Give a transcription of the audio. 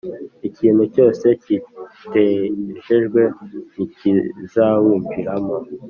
ikintu cyose kitejejwe ntikizawinjiramo.